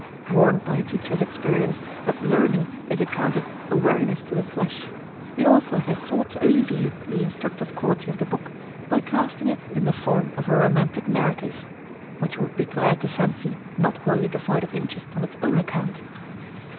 Warned by a teacher's experience that learning is accounted a weariness to the flesh, the author has sought to alleviate the instructive quality of the book by casting it in the form of a romantic narrative, which he would be glad to fancy not wholly devoid of interest on its own account.